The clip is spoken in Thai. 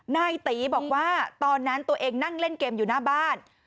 นายตีบอกว่าตอนนั้นตัวเองนั่งเล่นเกมอยู่หน้าบ้าน